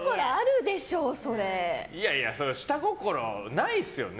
いやいや、下心ないっすよね。